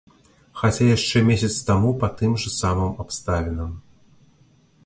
Хаця яшчэ месяц таму па тым жа самым абставінам.